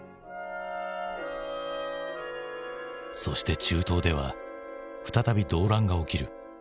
そして中東では再び動乱が起きる。